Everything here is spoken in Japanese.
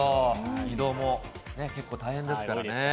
移動も結構大変ですからね。